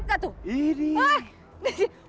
kita harus ke rumah